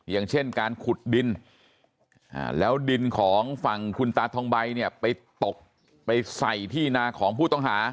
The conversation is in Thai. อย่างเช่นการขุดดินแล้วดินของฝั่งคุณตาทองใบเนี่ยไปตกไปใส่ที่นาของผู้ต้องหา